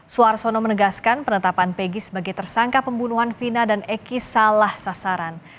suarsono menegaskan penetapan pegi sebagai tersangka pembunuhan vina dan eki salah sasaran